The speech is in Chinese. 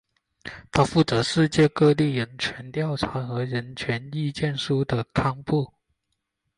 它负责世界各地人权调查和人权意见书的刊布。